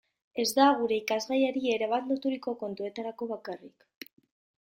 Ez da gure irakasgaiari erabat loturiko kontuetarako bakarrik.